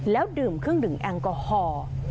แล้วดื่มเครื่องดื่มแอลกอฮอล์